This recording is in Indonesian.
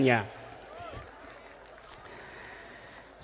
dan di dalam kondisi